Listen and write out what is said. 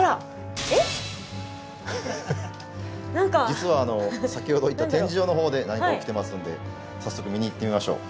実は先ほどいた展示場のほうで何か起きてますんで早速見に行ってみましょう。